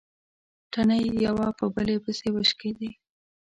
تڼۍ يوه په بلې پسې وشکېدې.